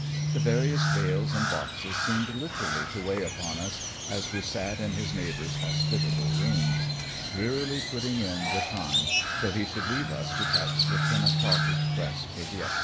The various bales and boxes seemed literally to weigh upon us as we sat in his neighbor's hospitable rooms, drearily putting in the time until he should leave us to catch the ten o'clock express for Dieppe.